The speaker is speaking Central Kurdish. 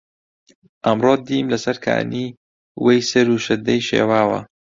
ئەمڕۆ دیم لەسەر کانی وەی سەر و شەدەی شێواوە